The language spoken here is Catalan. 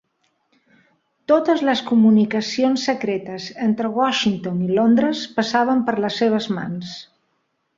Totes les comunicacions secretes entre Washington i Londres passaven per les seves mans.